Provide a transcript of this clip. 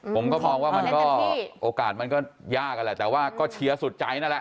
ผมก็มองว่ามันก็โอกาสมันก็ยากอะแหละแต่ว่าก็เชียร์สุดใจนั่นแหละ